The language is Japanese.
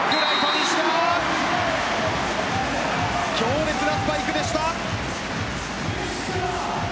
強烈なスパイクでした。